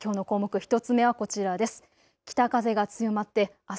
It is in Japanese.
１つ目はこちらです。